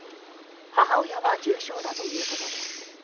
母親は重傷だということです。